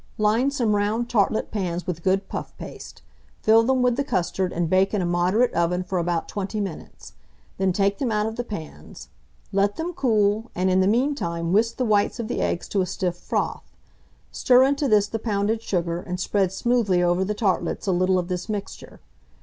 Line some round tartlet pans with good puff paste; fill them with the custard, and bake in a moderate oven for about 20 minutes; then take them out of the pans; let them cool, and in the mean time whisk the whites of the eggs to a stiff froth; stir into this the pounded sugar, and spread smoothly over the tartlets a little of this mixture.